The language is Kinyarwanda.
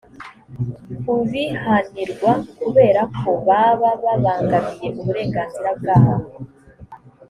kubihanirwa kubera ko baba babangamiye uburenganzira bwabo